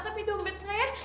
tapi dompet saya